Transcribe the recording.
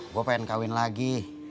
gue pengen kawin lagi